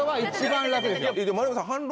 丸山さん。